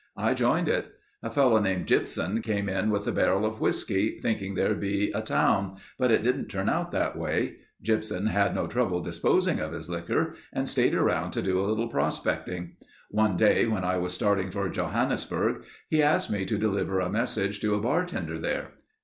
I joined it. A fellow named Gypsum came in with a barrel of whiskey, thinking there'd be a town, but it didn't turn out that way. Gypsum had no trouble disposing of his liquor and stayed around to do a little prospecting. One day when I was starting for Johannesburg, he asked me to deliver a message to a bartender there.